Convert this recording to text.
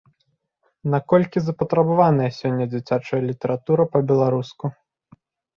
Наколькі запатрабавана сёння дзіцячая літаратура па-беларуску?